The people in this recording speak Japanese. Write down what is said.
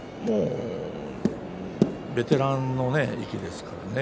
ベテランの域ですからね。